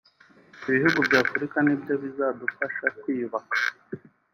Ibihugu by’Afurika ni byo bizadufasha kwiyubaka